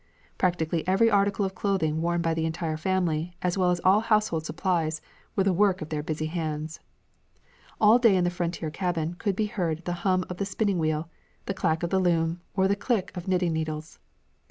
Practically every article of clothing worn by the entire family, as well as all household supplies, were the work of their busy hands. All day in the frontier cabin could be heard the hum of the spinning wheel, the clack of the loom, or the click of knitting needles.